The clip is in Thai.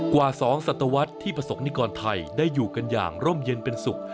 กว่า๒ศัตวรรษที่ประสงค์นิกรไทยได้อยู่กันอย่างร่มเย็นเป็นสุข